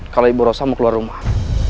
kalau ibu rosa mau keluar rumah